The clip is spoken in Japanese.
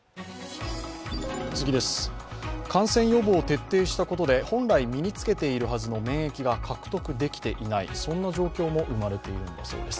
感染予防を徹底したことで本来身につけているはずの免疫が獲得できていない、そんな状況も生まれているんだそうです。